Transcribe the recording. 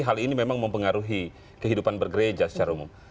hal ini memang mempengaruhi kehidupan bergereja secara umum